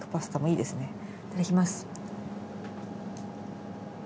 いただきます。